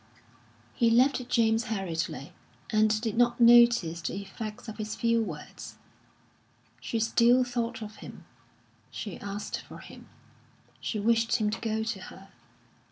He left James hurriedly, and did not notice the effect of his few words.... She still thought of him, she asked for him, she wished him to go to her.